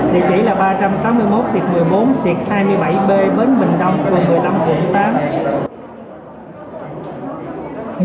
địa chỉ là ba trăm sáu mươi một một mươi bốn hai mươi bảy b bến bình tâm quận một mươi năm quận tám